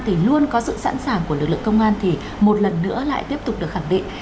thì luôn có sự sẵn sàng của lực lượng công an thì một lần nữa lại tiếp tục được khẳng định